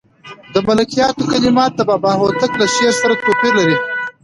د ملکیار کلمات د بابا هوتک له شعر سره توپیر لري.